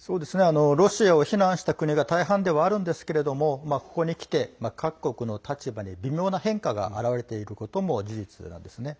ロシアを非難した国が大半ではあるんですけどここにきて各国の立場に微妙な変化が現れていることも事実なんです。